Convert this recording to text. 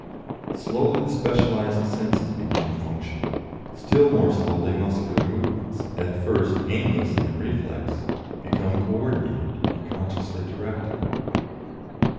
Slowly the specialised senses begin to function; still more slowly muscular movements, at first aimless and reflex, become co ordinated and consciously directed.